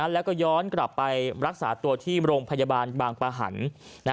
แล้วก็ย้อนกลับไปรักษาตัวที่โรงพยาบาลบางปะหัน